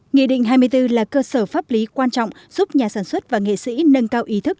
nghị định hai mươi bốn là cơ sở pháp lý quan trọng giúp nhà sản xuất và nghệ sĩ nâng cao ý thức